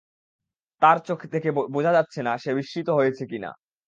তার চোখ দেখে বোঝা যাচ্ছে না সে বিস্মিত হয়েছে কি না।